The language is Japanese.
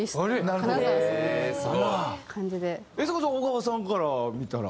それこそ小川さんから見たら。